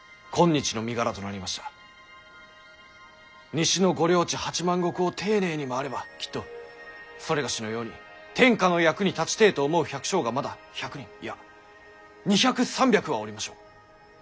西のご領地８万石を丁寧に回ればきっと某のように天下の役に立ちてぇと思う百姓がまだ１００人いや２００３００はおりましょう。